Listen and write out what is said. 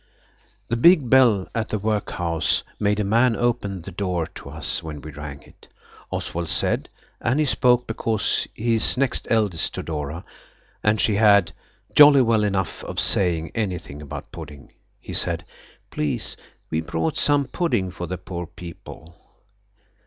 The big bell at the workhouse made a man open the door to us, when we rang it. Oswald said (and he spoke because he is next eldest to Dora, and she had had jolly well enough of saying anything about pudding)–he said– "Please we've brought some pudding for the poor people."